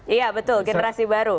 iya betul generasi baru